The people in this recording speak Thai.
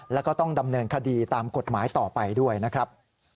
แล้วก็ต้องดำเนินคดีตามกฎหมายต่อไปด้วยนะครับ